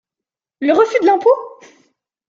Le refus de l'impôt!